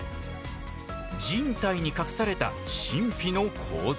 人体に隠された神秘の構造。